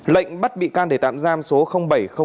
lệnh bắt bị can để tạm giam số bảy tám chín